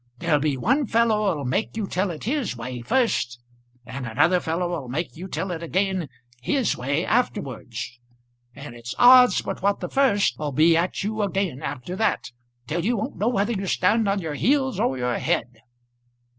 There'll be one fellow'll make you tell it his way first, and another fellow'll make you tell it again his way afterwards; and its odds but what the first 'll be at you again after that, till you won't know whether you stand on your heels or your head."